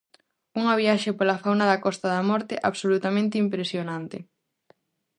Unha viaxe pola fauna da Costa da Morte absolutamente impresionante.